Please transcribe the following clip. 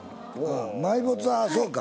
埋没はそうか！